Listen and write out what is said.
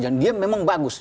dan dia memang bagus